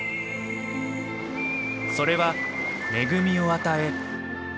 それは恵みを与え